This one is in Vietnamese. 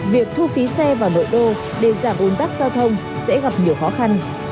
việc thu phí xe vào nội đô để giảm ôn tắc giao thông sẽ gặp nhiều khó khăn